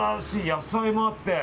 野菜もあって。